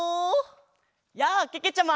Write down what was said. やあけけちゃま！